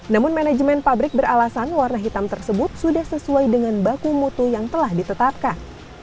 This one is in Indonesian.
namun manajemen pabrik beralasan warna hitam tersebut sudah sesuai dengan baku mutu yang telah ditetapkan